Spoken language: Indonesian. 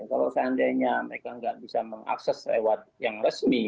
kalau seandainya mereka nggak bisa mengakses lewat yang resmi